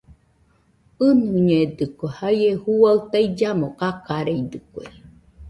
ɨnɨñedɨkue, naie juaɨ taillamo kakareidɨkue